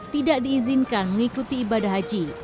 berangkat ke perangkatan ibadah haji